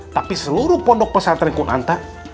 tapi seluruh pondok pesantren kunanta